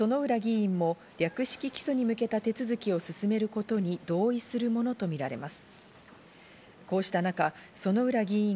薗浦議員を略式起訴に向けた手続きを進めることに同意するものとみられます。